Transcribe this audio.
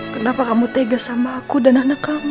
kenapa kamu tega sama aku dan anak kamu